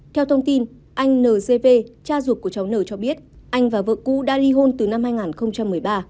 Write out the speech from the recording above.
theo thông tin anh n g v cha ruột của cháu n cho biết anh và vợ cũ đã đi hôn từ năm hai nghìn một mươi ba